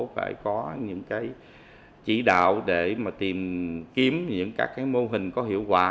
phải có những cái chỉ đạo để mà tìm kiếm những các cái mô hình có hiệu quả